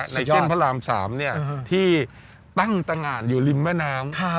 ในเส้นพระรามสามเนี่ยที่ตั้งตังอ่านอยู่ริมมะน้ำ